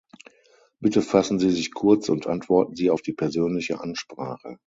Bitte fassen Sie sich kurz und antworten Sie auf die persönliche Ansprache.